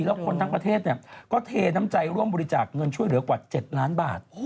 แล้วคนทั้งประเทศก็เทน้ำใจร่วมบริจาคเงินช่วยเหลือกว่า๗ล้านบาท